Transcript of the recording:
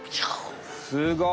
すごい。